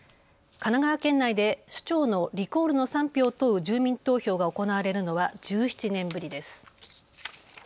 神奈川県内で首長のリコールの賛否を問う住民投票が行われるのは１７年ぶりです。